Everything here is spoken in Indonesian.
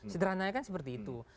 sederhana nya kan seperti itu